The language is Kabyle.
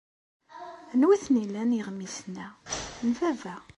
Anwa ay ten-ilan yeɣmisen-a? N baba.